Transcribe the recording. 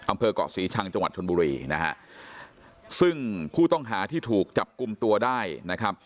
อำเภอกเกาะศรีชังจังหวัดชนบุรีนะฮะซึ่งผู้ต้องหาที่ถูกจับกลุ่มตัวได้นะครับ